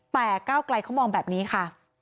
แต่ก้าวไกลเขามองแบบนี้ค่ะ